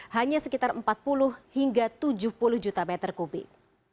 hanya sekitar empat puluh hingga tujuh puluh juta meter kubik